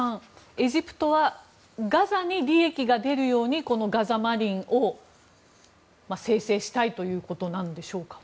エジプトはガザに利益が出るようにこのガザ・マリンを精製したいということなんでしょうか。